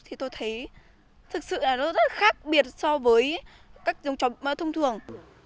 thì tôi thấy thực sự là nó rất khác biệt so với các chó thông thường